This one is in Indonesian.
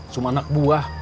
cuma anak buah